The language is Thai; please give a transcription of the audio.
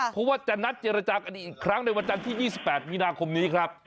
เพราะว่าจะนัดเจรจากันอีกครั้งในวันจันทร์ที่๒๘มีนาคมนี้ครับ